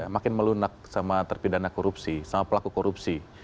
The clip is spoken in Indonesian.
makin melunak sama terpidana korupsi sama pelaku korupsi